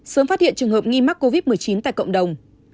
sớm phát hiện trường hợp nghi mắc covid một mươi chín tại cộng đồng